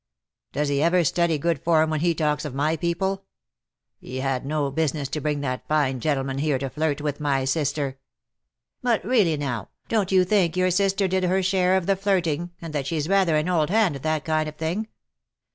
" Does he ever study good form when he talks of my people ? He had no business to bring that fine gentleman here to flirt with my sister." "But really now, don't you think your sister did her share of the flirting, and that she's rather an old hand at that kind of thing?